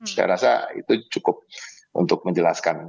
saya rasa itu cukup untuk menjelaskan